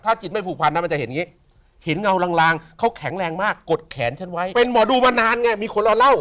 ถ้าจิตไม่ผูกพันนะเค้าจะเห็นเหงาลางเค้าแข็งแรงมากกดแขนฉันไว้เป็นหมอดูมานานไงมีคนลาเล่า